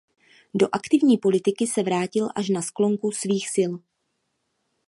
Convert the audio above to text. Do aktivní politiky se vrátil až na sklonku svých sil.